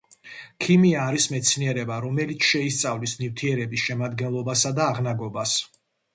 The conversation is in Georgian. ქიმია არის მეცნიერება, რომელიც შეისწავლის ნივთიერების შემადგენლობასა და აღნაგობას